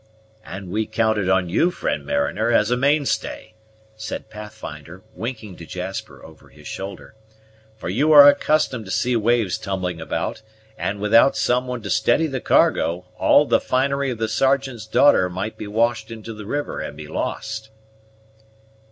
"And we counted on you, friend mariner, as a mainstay," said Pathfinder, winking to Jasper over his shoulder; "for you are accustomed to see waves tumbling about; and without some one to steady the cargo, all the finery of the Sergeant's daughter might be washed into the river and be lost."